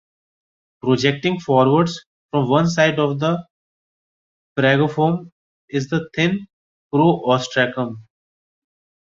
Projecting forwards from one side of the phragmocone is the thin "pro-ostracum".